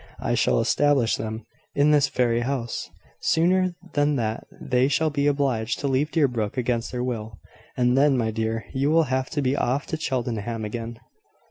I shall establish them in this very house, sooner than that they shall be obliged to leave Deerbrook against their will; and then, my dear, you will have to be off to Cheltenham again."